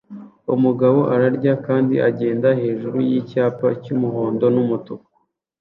Umugabo ararya kandi agenda hejuru yicyapa cyumuhondo numutuku